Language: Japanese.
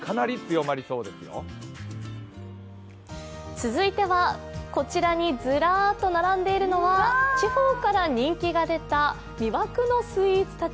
続いてはこちらにずらーっと並んでいるのは地方から人気が出た魅惑のスイーツたち。